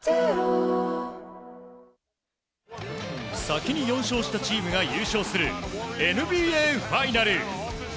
先に４勝したチームが優勝するＮＢＡファイナル。